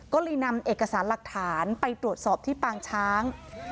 ก็เลยนำเอกสารหลักฐานไปตรวจสอบที่ปางช้าง